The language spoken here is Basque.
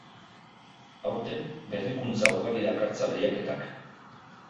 Aurten berrikuntza ugari dakartza lehiaketak.